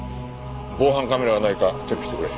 防犯カメラがないかチェックしてくれ。